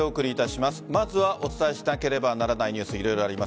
まずはお伝えしなければならないニュース色々あります。